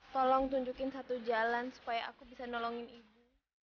tolong tunjukin satu jalan supaya aku bisa nolongin ibu